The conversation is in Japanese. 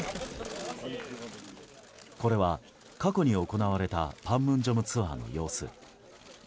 これは、過去に行われたパンムンジョムツアーの様子。